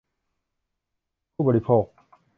ผู้บริโภค